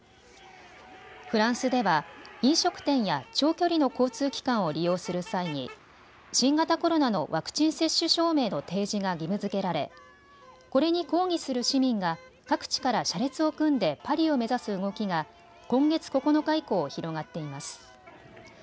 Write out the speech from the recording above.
フランスでは飲食店や長距離の交通機関を利用する際に新型コロナのワクチン接種証明の提示が義務づけられこれに抗議する市民が各地から車列を組んでパリを目指す動きが今月９日以降、広がっています。